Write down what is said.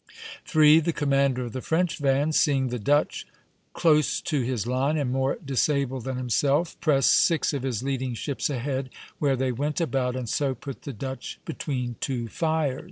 3. The commander of the French van, seeing the Dutch close to his line and more disabled than himself, pressed six of his leading ships ahead, where they went about, and so put the Dutch between two fires (Plate VI.